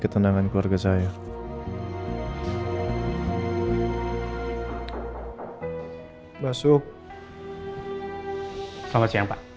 kalau harusnya kita ganteng ganteng mulu 'masya allah terus kita berpengaruh